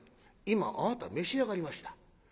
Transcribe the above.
今あなた召し上がりました。